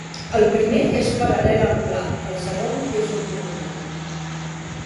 El primer és paral·lel al pla, el segon és ortogonal.